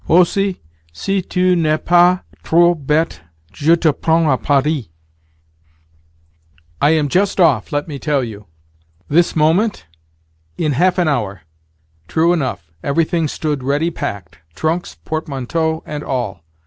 Aussi, si tu n'es pas trop bête je te prends à Paris. I am just off, let me tell you." "This moment?" "In half an hour." True enough, everything stood ready packed—trunks, portmanteaux, and all.